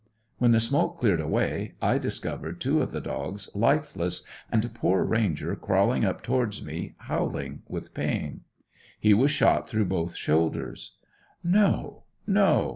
When the smoke cleared away I discovered two of the dogs lifeless and poor Ranger crawling up towards me howling with pain. He was shot through both shoulders. No, no!